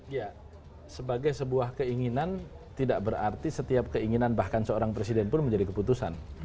ya sebagai sebuah keinginan tidak berarti setiap keinginan bahkan seorang presiden pun menjadi keputusan